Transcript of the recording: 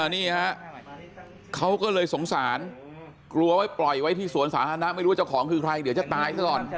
นี่ฮะเขาก็เลยสงสารกลัวไว้ปล่อยไว้ที่สวนสาธารณะไม่รู้ว่าเจ้าของคือใครเดี๋ยวจะตายซะก่อน